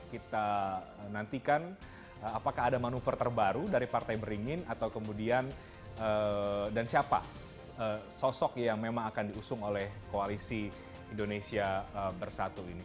kita nantikan apakah ada manuver terbaru dari partai beringin atau kemudian dan siapa sosok yang memang akan diusung oleh koalisi indonesia bersatu ini